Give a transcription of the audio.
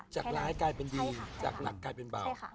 จากร้ายกลายเป็นดีจากหนักกลายเป็นเบา